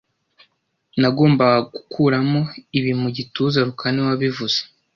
Nagombaga gukuramo ibi mu gituza rukara niwe wabivuze